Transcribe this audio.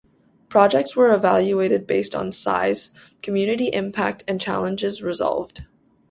Projects were evaluated based on size, community impact and challenges resolved.